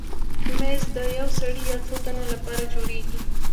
مېز د یو سړي یا څو تنو لپاره جوړېږي.